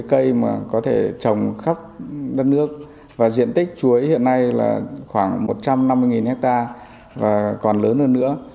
cây mà có thể trồng khắp đất nước và diện tích chuối hiện nay là khoảng một trăm năm mươi hectare và còn lớn hơn nữa